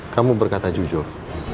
kamu berkata jujur